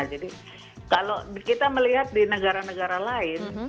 jadi kalau kita melihat di negara negara lain